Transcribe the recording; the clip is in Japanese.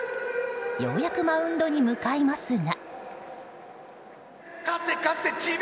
ようやくマウンドに向かいますが。